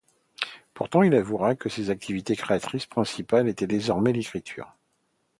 Pourtant, il avouera que son activité créatrice principale est désormais l'écriture.